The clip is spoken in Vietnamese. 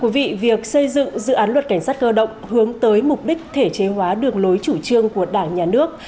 việc xây dựng dự án luật cảnh sát cơ động hướng tới mục đích thể chế hóa đường lối chủ trương của đảng nhà nước